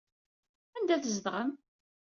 Anda tzedɣem?